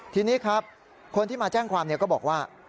ทีนี้ครับคนที่มาแจ้งความก็บอกว่า